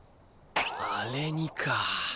あれにか。